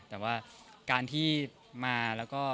แต่ว่าการที่มาแล้วก็